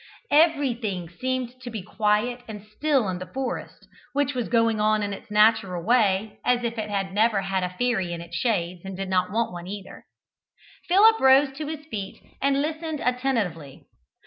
Everything seemed to be quiet and still in the forest, which was going on in its natural way, as if it had never had a fairy in its shades, and did not want one either. Philip rose to his feet and listened attentively.